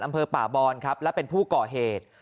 อำเภอป่าบอนครับและเป็นผู้ก่อเหตุ